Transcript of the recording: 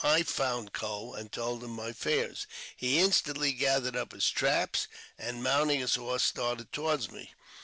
I found Coe, and told him my fears. He instantly gathered up his traps, and, mounting his horse, started toward me.